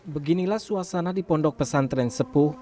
beginilah suasana di pondok pesantren sepuh